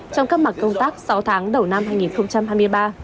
trong các mặt công tác sáu tháng đầu năm hai nghìn hai mươi ba